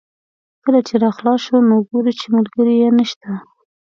کله چې را خلاص شو نو ګوري چې ملګری یې نشته.